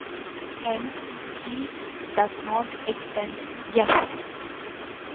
Hence "g" does not extend "f".